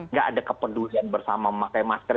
nggak ada kepedulian bersama memakai masker